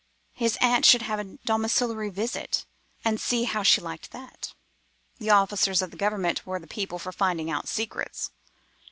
His aunt should have a domiciliary visit, and see how she liked that. The officers of the Government were the people for finding out secrets.